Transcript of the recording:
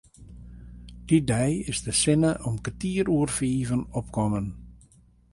Dy dei is de sinne om kertier oer fiven opkommen.